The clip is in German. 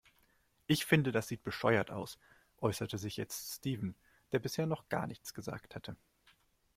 Ich finde, das sieht bescheuert aus, äußerte sich jetzt Steven, der bisher noch gar nichts gesagt hatte.